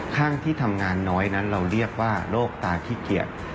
ข้างที่ทำงานน้อยนั้นเราเรียกว่าโรคตาขี้เกียจ